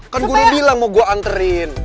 kan gue udah bilang mau gue anterin